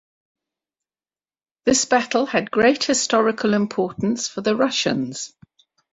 This battle had great historical importance for the Russians.